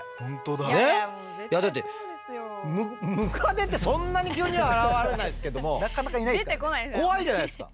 いやだってムカデってそんなに急には現れないですけども怖いじゃないですか。